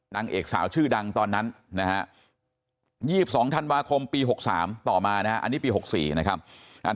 นางเอกสาวชื่อดังตอนนั้นนะฮะ๒๒ธันวาคมปี๖๓ต่อมานะฮะอันนี้ปี๖๔นะครับ